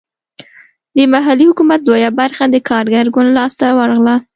د محلي حکومت لویه برخه د کارګر ګوند لاسته ورغله.